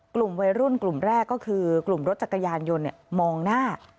กลุ่มวัยรุ่นกลุ่มแรกก็คือกลุ่มรถจักรยานยนต์มองหน้า